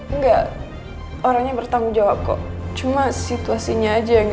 enggak orangnya bertanggung jawab kok cuma situasinya aja agak segampang itu